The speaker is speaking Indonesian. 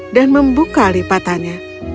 dan membuka lipatannya